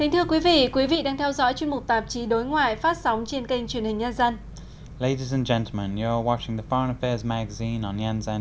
thưa quý vị quý vị đang theo dõi chuyên mục tạp chí đối ngoại phát sóng trên kênh truyền hình nhân dân